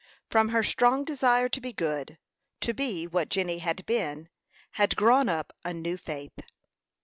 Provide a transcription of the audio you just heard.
From her strong desire to be good to be what Jenny had been had grown up a new faith.